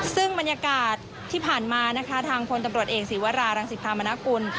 ซึ่งบรรยากาศที่ผ่านมานะคะทางพลตำรวจเอกศีวรารังสิภามณกุล